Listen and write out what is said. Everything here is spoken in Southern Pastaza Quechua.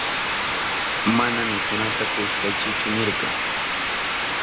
Mana mikunata kushkaykichu nirka.